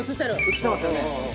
写ってますよね。